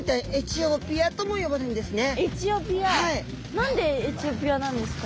何でエチオピアなんですか？